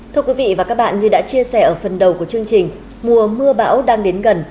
thưa quý vị và các bạn như đã chia sẻ ở phần đầu của chương trình mùa mưa bão đang đến gần